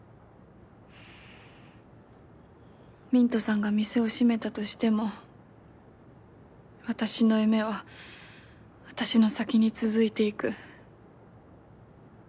ミントさんが店を閉めたとしても私の夢は私の先に続いていく。